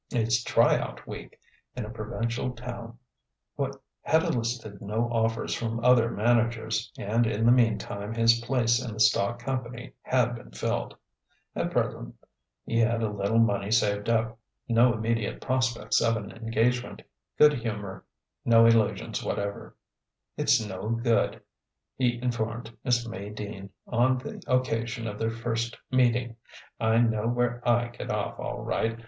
Its "try out week" in a provincial town had elicited no offers from other managers, and in the meantime his place in the stock company had been filled. At present he had a little money saved up, no immediate prospects of an engagement, good humour, no illusions whatever. "It's no good," he informed Miss May Dean on the occasion of their first meeting: "I know where I get off, all right.